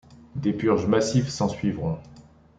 Des purges massives s'ensuivront.